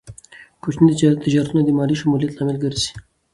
کوچني تجارتونه د مالي شمولیت لامل ګرځي.